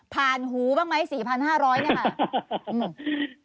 หูบ้างไหม๔๕๐๐เนี่ยค่ะ